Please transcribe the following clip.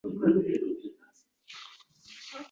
Ha, bo‘lganida ham bu darajada katta omma o‘ynamas edi.